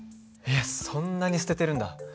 えっそんなに捨ててるんだ。